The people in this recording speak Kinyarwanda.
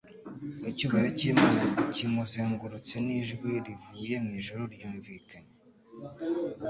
Icyubahiro cy'Imana kimuzengurutse n'ijwi rivuye mu ijuru ryumvikanye,